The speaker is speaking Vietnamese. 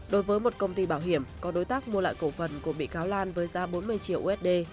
đối với một công ty bảo hiểm có đối tác mua lại cổ phần của bị cáo lan với giá bốn mươi triệu usd